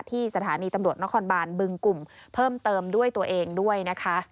ที่สถานีตำรวจนครบานบึงกลุ่มเพิ่มเติมด้วยตัวเองด้วยนะคะ